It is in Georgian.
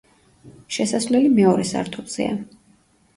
შესასვლელი მეორე სართულზეა.